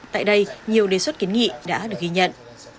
tại đây nhiều đề xuất kiến nghị đã được ghi nhận